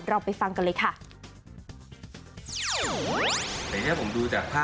เราไปฟังกันเลยค่ะ